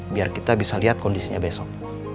biar kita bisa lihat kondisinya besok